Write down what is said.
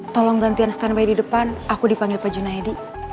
tolong gantian standby di depan aku dipanggil pak junaidi